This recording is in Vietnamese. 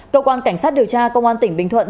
cơ quan cảnh sát điều tra công an tỉnh bình thuận